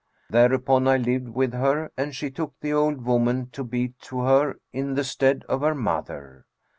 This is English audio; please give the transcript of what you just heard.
Thereupon I lived with her and she took the old woman to be to her in the stead of her mother."